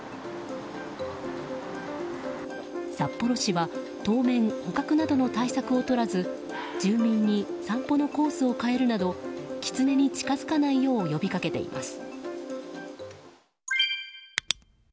札幌市は当面捕獲などの対策をとらず住民に散歩のコースを変えるなどキツネに近づかないよう呼びかけています。